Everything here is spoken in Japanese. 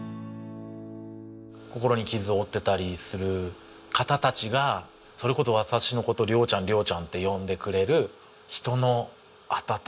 心に傷を負ってたりする方たちがそれこそ私の事亮ちゃん亮ちゃんって呼んでくれる人の温かさ。